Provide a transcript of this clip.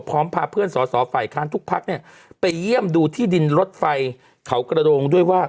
พาเพื่อนสอสอฝ่ายค้านทุกพักเนี่ยไปเยี่ยมดูที่ดินรถไฟเขากระโดงด้วยว่า